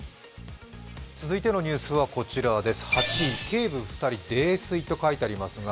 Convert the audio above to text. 続いてのニュースはこちら８位、警部２人泥酔と書いてあります。